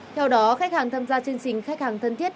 theo đó khách hàng tham gia chương trình khách hàng thân thiết